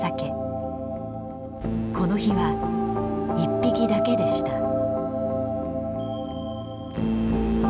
この日は１匹だけでした。